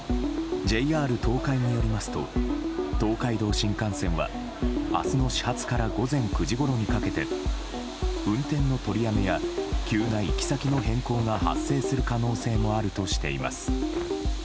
ＪＲ東海によりますと東海道新幹線は明日の始発から午前９時ごろにかけて運転の取りやめや急な行き先の変更が発生する可能性もあるとしています。